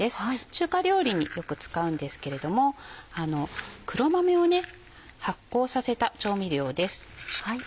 中華料理によく使うんですけれども黒豆を発酵させた調味料です。